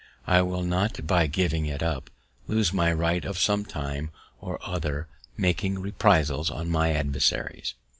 I will not, by giving it up, lose my right of some time or other making reprisals on my adversaries."